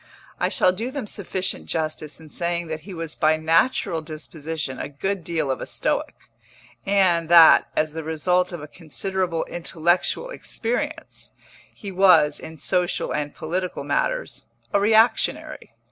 I shall do them sufficient justice in saying that he was by natural disposition a good deal of a stoic, and that, as the result of a considerable intellectual experience, he was, in social and political matters, a reactionary.